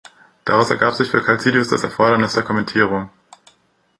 Daraus ergab sich für Calcidius das Erfordernis der Kommentierung.